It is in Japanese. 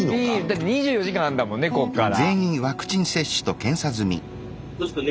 だって２４時間あんだもんねこっから。